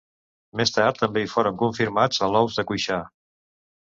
Més tard també hi foren confirmats alous de Cuixà.